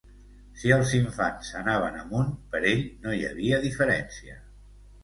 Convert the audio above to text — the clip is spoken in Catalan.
Si els infants anaven amunt, per ell no hi havia diferencia